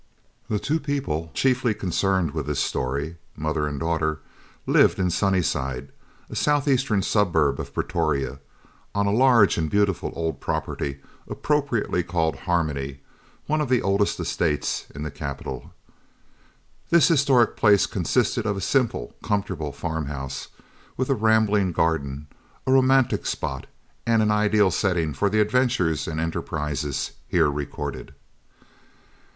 The two people chiefly concerned in this story, mother and daughter, lived in Sunnyside, a south eastern suburb of Pretoria, on a large and beautiful old property, appropriately called Harmony, one of the oldest estates in the capital. This historical place consisted of a simple, comfortable farm house, with a rambling garden a romantic spot, and an ideal setting for the adventures and enterprises here recorded.